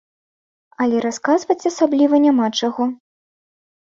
Але расказваць асабліва няма чаго.